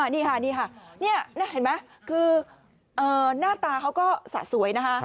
นี่เห็นมั้ยคือหน้าตาเขาก็สะสวยนะฮะ